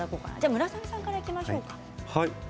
村雨さんからいきましょう。